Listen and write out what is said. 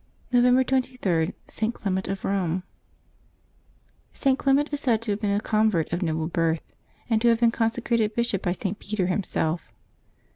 November 23.— ST. CLEMENT OF ROME ^T. Clement is said to have been a convert of noble birth, and to have been consecrated bishop by St. Peter himself.